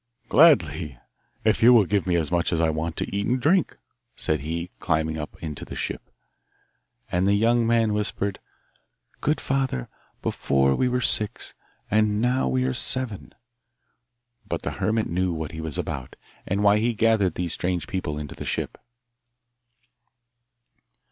'Gladly, if you will give me as much as I want to eat and drink,' said he, climbing up into the ship. And the young man whispered, 'Good father, before we were six, and now we are seven.' But the hermit knew what he was about, and why he gathered these strange people into the ship.